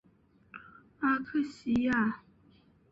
阿克西亚。